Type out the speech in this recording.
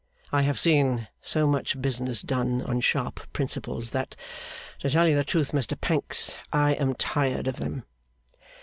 I have seen so much business done on sharp principles that, to tell you the truth, Mr Pancks, I am tired of them.